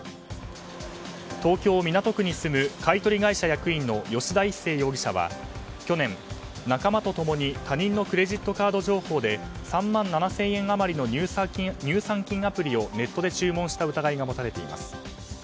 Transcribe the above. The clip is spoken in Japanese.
東京・港区に住む買い取り会社役員の吉田一誠容疑者は去年仲間と共に他人のクレジットカード情報で３万７０００円余りの乳酸菌サプリをネットで注文した疑いが持たれています。